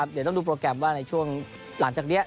เดี๋ยวต้องดูโปรแกรมว่าในช่วงหลังจากนี้